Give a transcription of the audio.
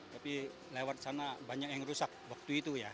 tapi lewat sana banyak yang rusak waktu itu ya